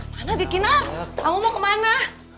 mana di kinar kamu mau kemana